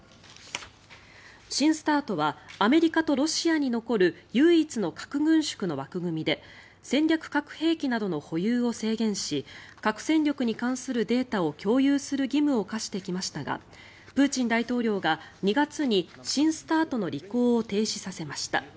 新ＳＴＡＲＴはアメリカとロシアに残る唯一の核軍縮の枠組みで戦略核兵器などの保有を制限し核戦力に関するデータを共有する義務を課してきましたがプーチン大統領が２月に新ＳＴＡＲＴの履行を停止させました。